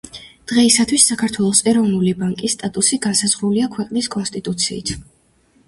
დღეისათვის საქართველოს ეროვნული ბანკის სტატუსი განსაზღვრულია ქვეყნის კონსტიტუციით.